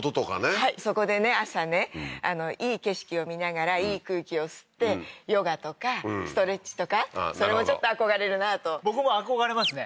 はいそこでね朝ねいい景色を見ながらいい空気を吸ってヨガとかストレッチとかそれもちょっと憧れるなと僕も憧れますね